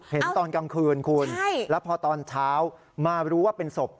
เห็นตอนกลางคืนคุณแล้วพอตอนเช้ามารู้ว่าเป็นศพ